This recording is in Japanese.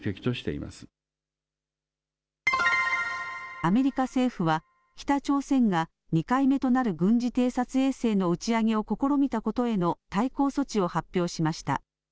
アメリカ政府は北朝鮮が２回目となる軍事偵察衛星の打ち上げを試みたことへの対抗措置を発表しました。